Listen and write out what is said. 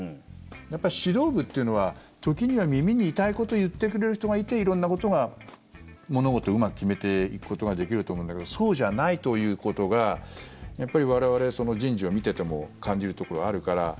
やっぱり指導部というのは時には耳に痛いことを言ってくれる人がいて色んなことが物事をうまく決めていくことができると思うんだけどそうじゃないということがやっぱり我々、人事を見ていても感じるところはあるから。